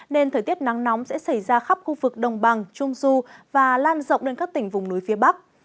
nên thời tiết nắng nóng sẽ xảy ra khắp khu vực đồng bằng trung du và lan rộng lên các tỉnh vùng núi phía bắc